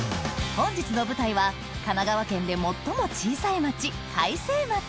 本日の舞台は神奈川県で最も小さい町開成町